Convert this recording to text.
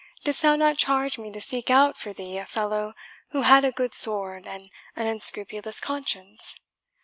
"Didst thou not charge me to seek out for thee a fellow who had a good sword and an unscrupulous conscience?